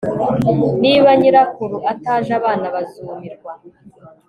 Niba nyirakuru ataje abana bazumirwa